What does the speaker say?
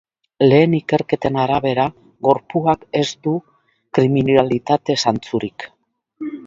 Lehen ikerketen arabera, gorpuak ez du kriminalitate zantzurik.